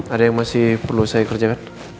ada yang masih perlu saya kerjakan